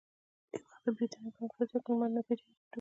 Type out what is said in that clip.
یو وخت د برېتانیا په امپراتورۍ کې لمر نه ډوبېده.